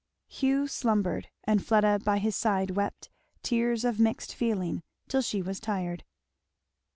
Hugh slumbered; and Fleda by his side wept tears of mixed feeling till she was tired.